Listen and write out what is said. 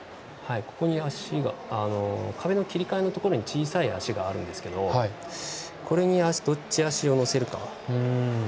壁の切り替えのところに小さい足があるんですけどこれにどっちの足を乗せるか。